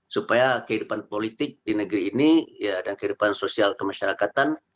supaya kehidupan politik di negeri ini dan kehidupan sosial kemasyarakatan